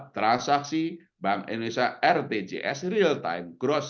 transaksi bank indonesia akan terus memperkuat